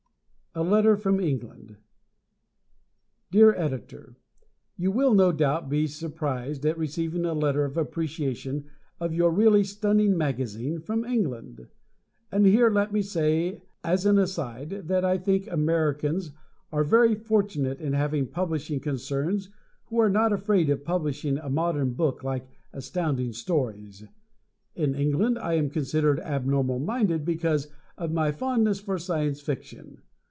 A Letter from England Dear Editor: You will no doubt be surprised at receiving a letter of appreciation of your really stunning magazine from England. And here let me say as an aside, that I think Americans are very fortunate in having publishing concerns who are not afraid of publishing a modern book like Astounding Stories. In England I am considered abnormal minded because of my fondness for Science Fiction.